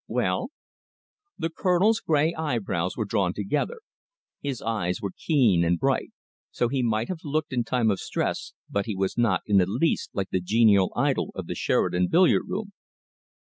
"Well?" The Colonel's grey eyebrows were drawn together. His eyes were keen and bright. So he might have looked in time of stress; but he was not in the least like the genial idol of the Sheridan billiard room.